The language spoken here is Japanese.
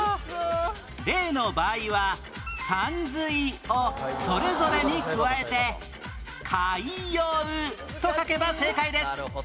例の場合はさんずいをそれぞれに加えて「海洋」と書けば正解です